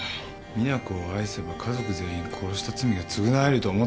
実那子を愛せば家族全員殺した罪を償えると思ったのか！？